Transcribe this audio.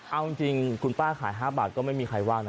เอาจริงคุณป้าขาย๕บาทก็ไม่มีใครว่างนะ